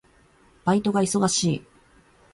バイトが忙しい。